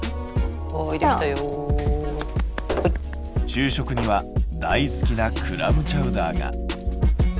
昼食には大好きなクラムチャウダーが。